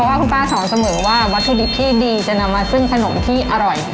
ว่าคุณป้าสอนเสมอว่าวัตถุดิบที่ดีจะนำมาซึ่งขนมที่อร่อย